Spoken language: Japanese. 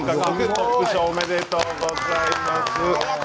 トップ賞おめでとうございます。